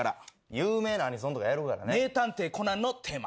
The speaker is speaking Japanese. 有名なアニソンとかあるから名探偵コナンのテーマ。